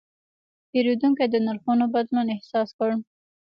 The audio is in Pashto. پیرودونکی د نرخونو بدلون احساس کړ.